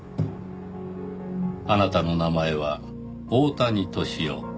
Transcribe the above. あなたの名前は大谷敏夫。